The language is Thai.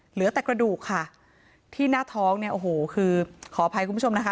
เหลือแต่กระดูกค่ะที่หน้าท้องเนี่ยโอ้โหคือขออภัยคุณผู้ชมนะคะ